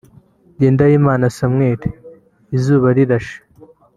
Ngendahimana Samuel / Izuba Rirashe